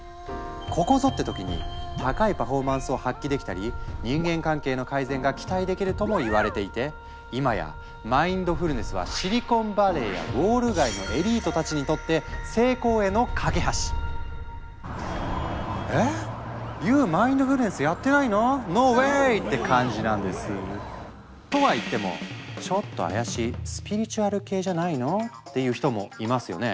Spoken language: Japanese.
「ここぞ！」って時に高いパフォーマンスを発揮できたり人間関係の改善が期待できるともいわれていて今や「マインドフルネス」はシリコンバレーやウォール街のエリートたちにとってえ⁉ＹＯＵマインドフルネスやってないの⁉ＮＯＷＡＹって感じなんです。とは言っても「ちょっと怪しいスピリチュアル系じゃないの？」っていう人もいますよね？